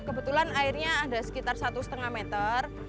kebetulan airnya ada sekitar satu lima meter